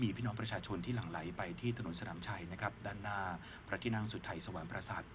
มีพี่น้องประชาชนที่หลั่งไหลไปที่ตสนามชัยด้านหน้าพระที่นั่งสุทัยสวรรค์พระศาสตร์